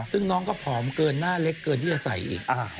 ซึ่งน้องก็ผอมเกินหน้าเล็กเกินที่จะใส่อีก